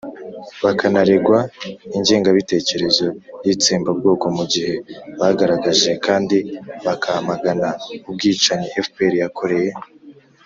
bakanaregwa ingengabitekerezo y'itsembabwoko mu gihe bagaragaje kandi bakamagana ubwicanyi fpr yakoreye